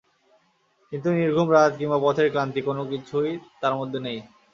কিন্তু নির্ঘুম রাত কিংবা পথের ক্লান্তি কোনো কিছুই তাঁর মধ্যে নেই।